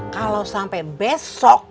kalau sampe besok